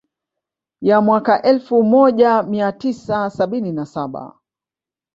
Ya mwaka elfu moja mia tisa sabini na saba